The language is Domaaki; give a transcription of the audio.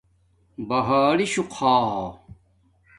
بہرشُݸ خݳ